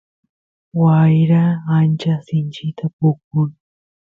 wayra ancha sinchita pukun